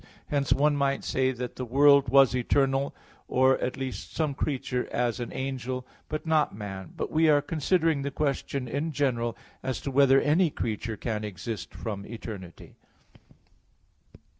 Hence one might say that the world was eternal, or at least some creature, as an angel, but not man. But we are considering the question in general, as to whether any creature can exist from eternity.